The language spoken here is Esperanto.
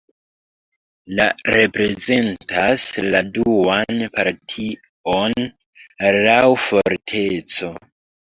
La reprezentas la duan partion laŭ forteco.